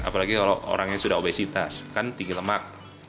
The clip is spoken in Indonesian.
apalagi kalau orangnya sudah obesitas kan tinggi lemak